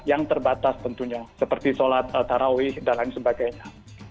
yang terbatas tentunya seperti sholat tarawih dan lain sebagainya